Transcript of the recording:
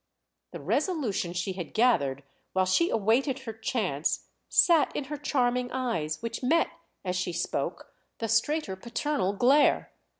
The resolution she had gathered while she awaited her chance sat in her charming eyes, which met, as she spoke, the straighter paternal glare.